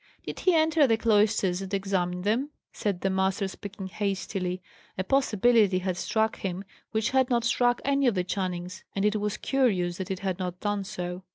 "Did he enter the cloisters and examine them?" said the master, speaking hastily. A possibility had struck him, which had not struck any of the Channings; and it was curious that it had not done so.